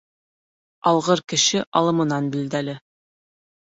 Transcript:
Алғыр кеше алымынан билдәле.